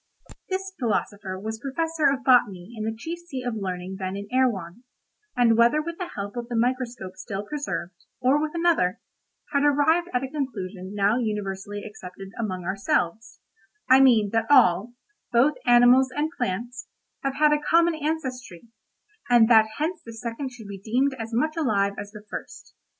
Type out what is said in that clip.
This philosopher was Professor of botany in the chief seat of learning then in Erewhon, and whether with the help of the microscope still preserved, or with another, had arrived at a conclusion now universally accepted among ourselves—I mean, that all, both animals and plants, have had a common ancestry, and that hence the second should be deemed as much alive as the first.